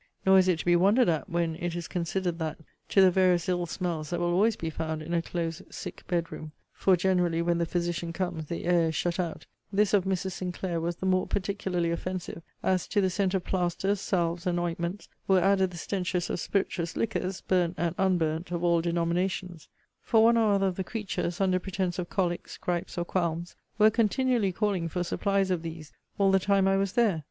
Nor is it to be wondered at, when it is considered that, to the various ill smells that will always be found in a close sick bed room, (for generally, when the physician comes, the air is shut out,) this of Mrs. Sinclair was the more particularly offensive, as, to the scent of plasters, salves, and ointments, were added the stenches of spirituous liquors, burnt and unburnt, of all denominations; for one or other of the creatures, under pretence of colics, gripes, or qualms, were continually calling for supplies of these, all the time I was there.